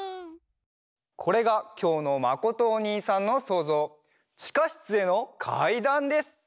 これがきょうのまことおにいさんのそうぞう「ちかしつへのかいだん」です！